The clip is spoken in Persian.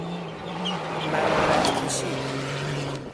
مرارت کشی